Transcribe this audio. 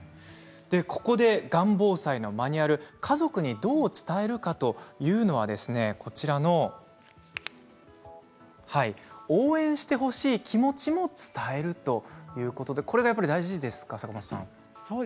ここでがん防災のマニュアル家族にどう伝えるかというのは応援してほしい気持ちを伝えるということで、これが大事ですか。